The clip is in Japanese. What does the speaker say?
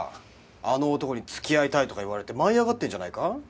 あの男に付き合いたいとか言われて舞い上がってるんじゃないか？